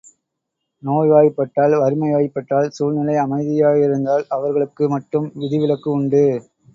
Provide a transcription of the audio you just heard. நோய் வாய்ப்பட்டால், வறுமை வாய்ப்பட்டால், சூழ்நிலை அமையாதிருந்தால், அவர்களுக்கு மட்டும் விதிவிலக்கு உண்டு.